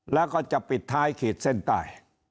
แล้วก็จะปิดท้ายขีดเส้นใต้